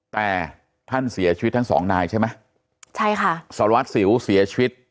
แต่ท่านเสียชีวิตทั้งสองนายใช่ไหมใช่ค่ะสารวัตรสิวเสียชีวิต